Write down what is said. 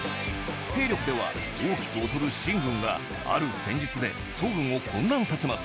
兵力では大きく劣る秦軍がある戦術で楚軍を混乱させます